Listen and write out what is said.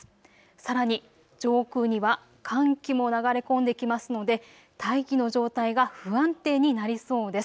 さらに上空には寒気も流れ込んできますので大気の状態が不安定になりそうです。